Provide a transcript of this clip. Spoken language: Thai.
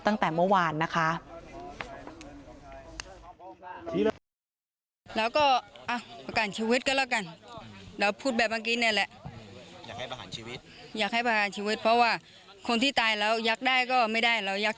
ตั้งแต่เมื่อวานนะคะ